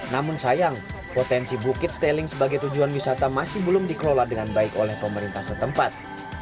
namun sayang potensi bukit steling sebagai tujuan wisata masih belum dikelola dengan baik oleh pemerintah setempat